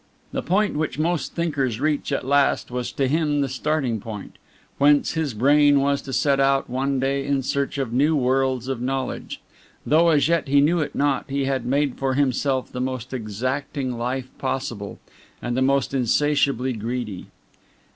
The point which most thinkers reach at last was to him the starting point, whence his brain was to set out one day in search of new worlds of knowledge. Though as yet he knew it not, he had made for himself the most exacting life possible, and the most insatiably greedy.